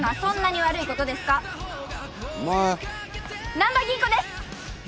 難破吟子です。